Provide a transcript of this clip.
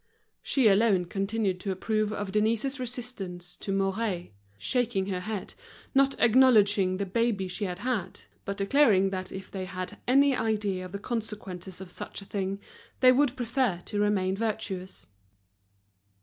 She alone continued to approve of Denise's resistance to Mouret, shaking her head, not acknowledging the baby she had had, but declaring that if they had any idea of the consequences of such a thing, they would prefer to remain virtuous.